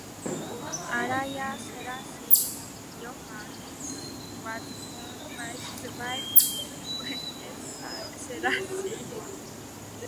Araya Selassie Yohannes was born by his wife Wolete Selassie.